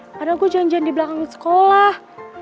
padahal gue janjian di belakang sekolah